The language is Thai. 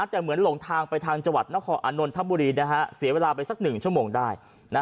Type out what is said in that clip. แต่เหมือนหลงทางไปทางจังหวัดนครอานนทบุรีเสียเวลาไปสัก๑ชั่วโมงได้